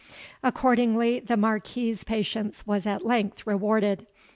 Accordingly the Marquis's patience was at length rewarded.